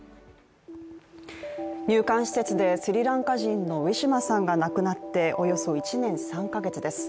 入管施設でスリランカ人のウィシュマさんが亡くなって、およそ１年３ヶ月です